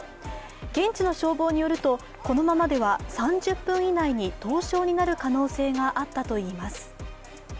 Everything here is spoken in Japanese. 現地の消防によると、このままでは３０分以内に凍傷になる可能性があったといいます。